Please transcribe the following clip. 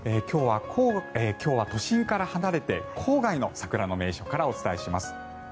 今日は都心から離れて郊外の桜の名所からお伝えします。